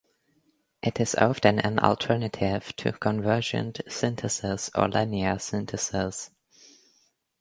It is often an alternative to convergent synthesis or linear synthesis.